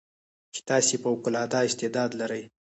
چې تاسې فوق العاده استعداد لرٸ